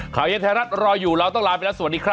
ข่าวเย็นไทยรัฐรออยู่เราต้องลาไปแล้วสวัสดีครับ